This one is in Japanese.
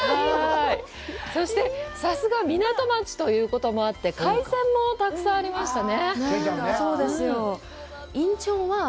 そして、さすが港町ということもあって、海鮮もたくさんありましたね。